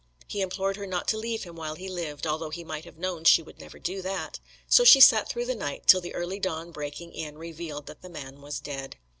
He implored her not to leave him while he lived, although he might have known she would never do that. So she sat through the night, till the early dawn breaking in revealed that the man was dead.